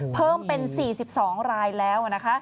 เพิ่มเป็น๔๒รายแล้ว